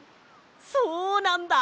そうなんだ！